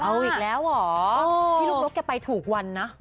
เอาอีกแล้วเหรอพี่ลูกนกแกไปถูกวันนะ